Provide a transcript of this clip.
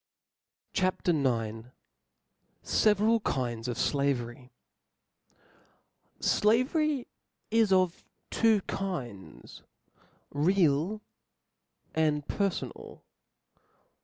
CHAP. IX. Several Kinds of Slavery. O L AV E R Y is of two kinds, real and perfo ^ nal.